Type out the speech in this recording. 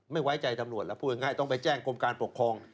ไม่ไว้ใจตำรวจแล้วพูดง่ายต้องไปแจ้งกรมการปกครอง